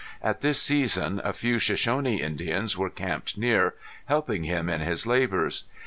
At this season a few Shoshone Indians were camped near, helping him in his labors.